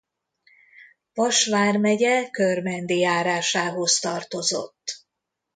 Vas vármegye Körmendi járásához tartozott.